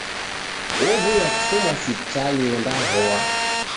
Owuya kufuma sipitali ondahoa